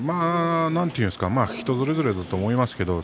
人それぞれだと思います。